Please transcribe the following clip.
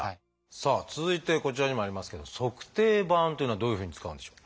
さあ続いてこちらにもありますけど「足底板」というのはどういうふうに使うんでしょう？